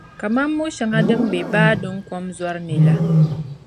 kaman mo’ shɛŋa din ʒe baa din kom zɔri ni la.